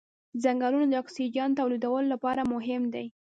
ځنګلونه د اکسیجن تولیدولو لپاره مهم دي